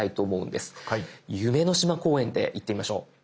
夢の島公園でいってみましょう。